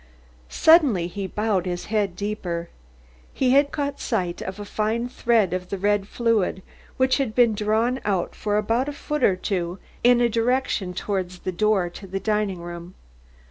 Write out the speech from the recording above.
Suddenly he bowed his head deeper. He had caught sight of a fine thread of the red fluid which had been drawn out for about a foot or two in the direction towards the door to the dining room.